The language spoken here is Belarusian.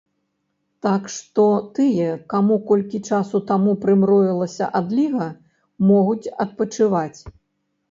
Так што тыя, каму колькі часу таму прымроілася адліга, могуць адпачываць.